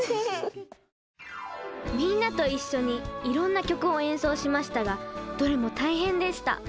みんなと一緒にいろんな曲を演奏しましたがどれも大変でした。